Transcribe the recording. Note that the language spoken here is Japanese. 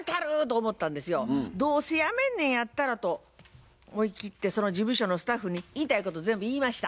どうせやめんねんやったらと思い切ってその事務所のスタッフに言いたいこと全部言いました。